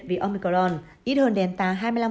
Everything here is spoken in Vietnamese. vì omicron ít hơn delta hai mươi năm